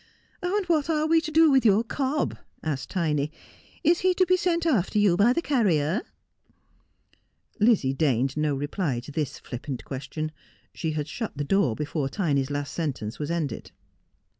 ' What are we to do with your cob 1 ' asked Tiny. ' Is he to be sent after you by the carrier ?' Lizzie deigned no reply to this flippant question. She had shut the door before Tiny's last sentence was ended.